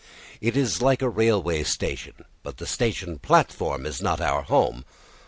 It is like a railway station; but the station platform is not our home.